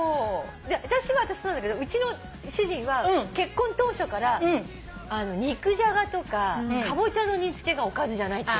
私はそうなんだけどうちの主人は結婚当初から肉じゃがとかかぼちゃの煮付けがおかずじゃないって。